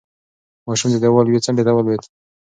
ماشوم د دېوال یوې څنډې ته ولوېد.